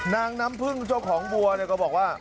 นางน้ำพื้นเจ้าของวัวก็บอกว่า